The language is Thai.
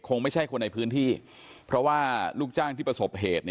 คงไม่ใช่คนในพื้นที่เพราะว่าลูกจ้างที่ประสบเหตุ